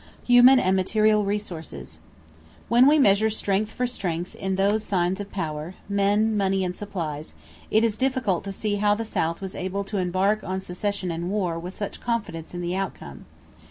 =Human and Material Resources.= When we measure strength for strength in those signs of power men, money, and supplies it is difficult to see how the South was able to embark on secession and war with such confidence in the outcome.